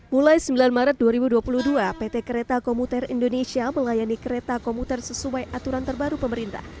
mulai sembilan maret dua ribu dua puluh dua pt kereta komuter indonesia melayani kereta komuter sesuai aturan terbaru pemerintah